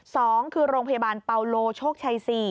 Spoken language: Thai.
สองคือโรงพยาบาลเปาโลโชคชัย๔